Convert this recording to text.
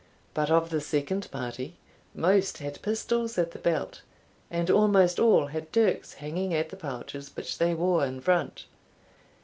But of the second party, most had pistols at the belt, and almost all had dirks hanging at the pouches which they wore in front.